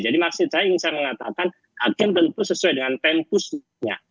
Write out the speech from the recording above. jadi maksud saya yang saya mengatakan hakim tentu sesuai dengan tempusnya